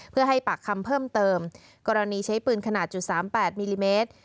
เพื่อให้ปากคำเพิ่มเติมกรณีใช้ปืนขนาดจุดสามแปดมิลลิเมตร